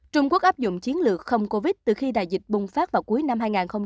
trung quốc áp dụng chiến lược không covid từ khi đại dịch bùng phát vào cuối năm hai nghìn một mươi ba